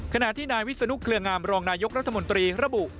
ขณะที่นายวิศนุเคลืองามรองนายกรัฐมนตรีระบุ